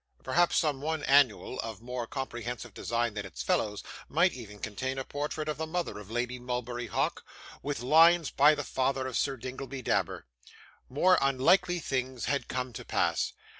Perhaps some one annual, of more comprehensive design than its fellows, might even contain a portrait of the mother of Lady Mulberry Hawk, with lines by the father of Sir Dingleby Dabber. More unlikely things had come to pass.